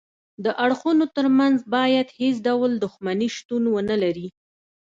د اړخونو ترمنځ باید هیڅ ډول دښمني شتون ونلري